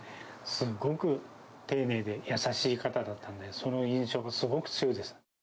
すごく丁寧で優しい方だったんで、その印象がすごく強いです。